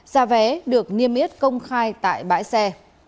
giá vé được niêm yết công khai tại bãi xe